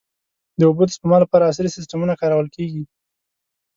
د اوبو د سپما لپاره عصري سیستمونه کارول کېږي.